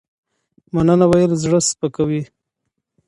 مننه ويل زړه سپکوي